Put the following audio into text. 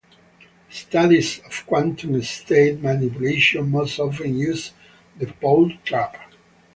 Studies of quantum state manipulation most often use the Paul trap.